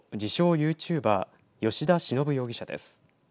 ユーチューバー吉田忍容疑者です。